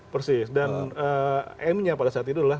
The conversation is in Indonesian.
persis dan aimnya pada saat itu adalah